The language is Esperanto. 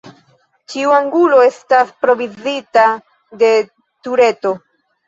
Ĉiu angulo estas provizita de tureto.